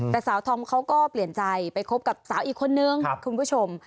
แต่สาวธอมเขาก็เปลี่ยนใจไปคบกับสาวอีกคนนึงคุณผู้ชม